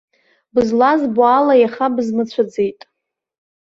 Бызлазбо ала иаха бызмыцәаӡеит.